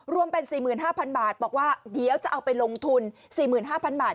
รวมเป็น๔๕๐๐บาทบอกว่าเดี๋ยวจะเอาไปลงทุน๔๕๐๐บาท